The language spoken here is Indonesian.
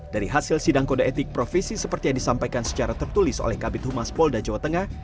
dari hasil sidang kode etik profesi seperti yang disampaikan secara tertulis oleh kabit humas polda jawa tengah